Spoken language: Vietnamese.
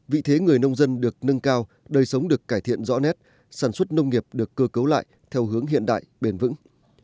vị thế người nông dân được nâng cao đời sống được cải thiện rõ nét sản xuất nông nghiệp được cơ cấu lại theo hướng hiện đại bền vững